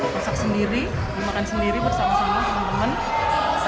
masak sendiri dimakan sendiri bersama sama teman teman